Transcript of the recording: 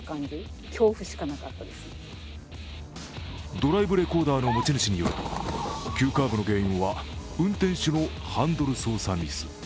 ドライブレコーダーの持ち主によると急カーブの原因は運転手のハンドル操作ミス。